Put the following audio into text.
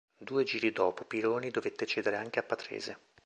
Due giri dopo Pironi dovette cedere anche a Patrese.